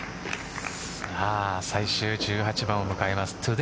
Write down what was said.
最終１８番を迎えます